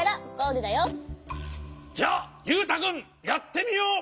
じゃあゆうたくんやってみよう！